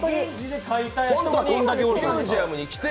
ミュージアムに来て。